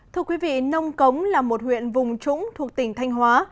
thưa quý vị nông cống là một huyện vùng trũng thuộc tỉnh thanh hóa